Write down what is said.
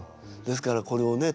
ですからこれをね